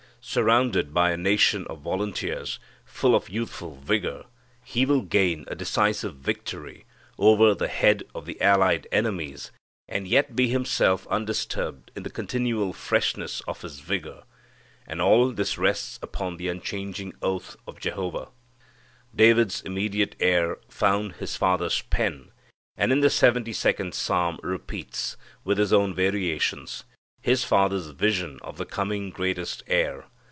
Surrounded by a nation of volunteers full of youthful vigor He will gain a decisive victory over the head of the allied enemies, and yet be Himself undisturbed in the continual freshness of His vigor. And all this rests upon the unchanging oath of Jehovah. David's immediate heir found his father's pen, and in the Seventy second Psalm repeats, with his own variations, his father's vision of the coming greater Heir.